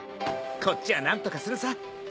こっちは何とかするさ！